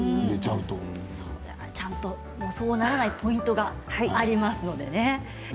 そうならないポイントがありますのでね。